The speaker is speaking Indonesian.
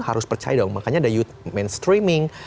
harus percaya dong makanya ada mainstreaming